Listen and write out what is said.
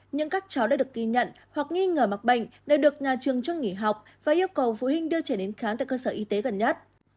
nhưng các cháu đã được ghi nhận hoặc nghi ngờ mắc bệnh đều được nhà trường cho nghỉ học và yêu cầu phụ huynh đưa trẻ đến khám tại cơ sở y tế gần nhất